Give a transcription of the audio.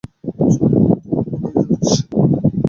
চলো, আমি তোমাকে নিয়ে যাচ্ছি।